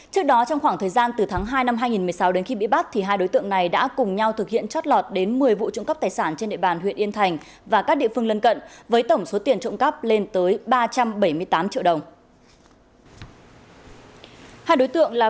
trước đó trong khoảng thời gian từ tháng hai năm hai nghìn một mươi sáu đến khi bị bắt hai đối tượng này đã cùng nhau thực hiện chót lọt đến một mươi vụ trộm cắp tài sản trên địa bàn huyện yên thành và các địa phương lân cận với tổng số tiền trộm cắp lên tới ba trăm bảy mươi tám triệu đồng